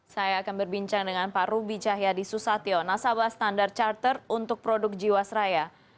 saya akan berbincang dengan pak ruby cahyadi susatyo nasabah standar charter untuk produk jiwasraya